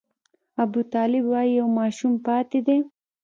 ابوطالب وايي یو ماشوم پاتې دی.